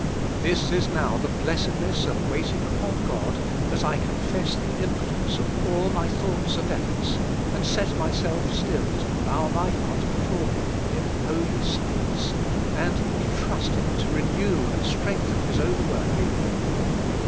This is now the blessedness of waiting upon God, that I confess the impotence of all my thoughts and efforts, and set myself still to bow my heart before Him in holy silence, and to trust Him to renew and strengthen His own work in me.